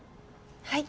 はい。